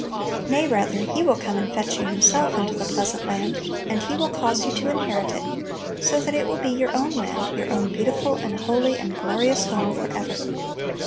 Nay, rather, He will come and fetch you Himself into the "pleasant land," and He will "cause you to inherit" it, so that it will be your own land, your own beautiful and holy and glorious home forever.